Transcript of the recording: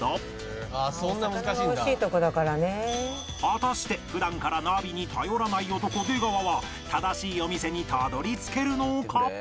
果たして普段からナビに頼らない男出川は正しいお店にたどり着けるのか？